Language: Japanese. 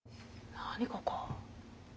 何ここ？